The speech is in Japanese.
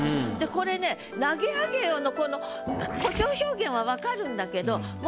これね「投げ上げよ」のこの誇張表現は分かるんだけど。